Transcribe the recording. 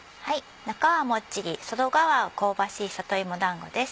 中はもっちり外側は香ばしい里芋だんごです。